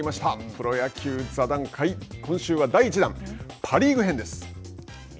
プロ野球座談会、今週は、第１弾パ・リーグ編です。